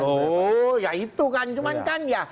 loh ya itu kan cuma kan ya